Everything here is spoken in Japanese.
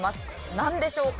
なんでしょうか？